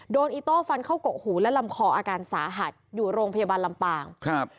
อีโต้ฟันเข้ากกหูและลำคออาการสาหัสอยู่โรงพยาบาลลำปางครับ